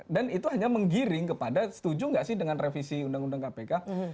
dan itu hanya menggiring kepada setuju nggak sih dengan revisi undang undang kpk